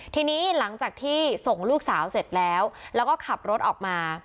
ทีนี้หลังจากที่ส่งลูกสาวเสร็จแล้วแล้วก็ขับรถออกมา